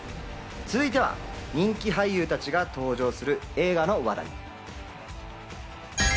続いては人気俳優たちが登場する映画の話題。